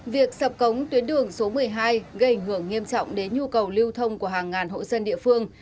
việc sập cống tuyến đường số một mươi hai gây ảnh hưởng nghiêm trọng đến nhu cầu lưu thông của hàng ngàn hộ dân địa phương